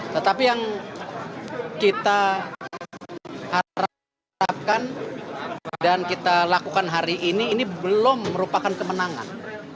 tetapi yang kita harapkan dan kita lakukan hari ini ini belum merupakan kemenangan